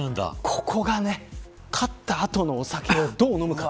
ここが勝った後のお酒をどう飲むか。